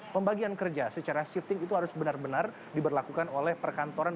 pembagian kerja secara shifting itu harus benar benar diberlakukan oleh perkantoran